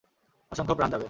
অসংখ্য প্রাণ যাবে।